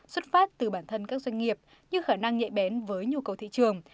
xuất phát từ bản thân các doanh nghiệp như khả năng nhạy bén với nhu cầu thị trường